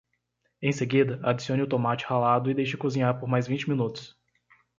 Em seguida, adicione o tomate ralado e deixe cozinhar por mais vinte minutos.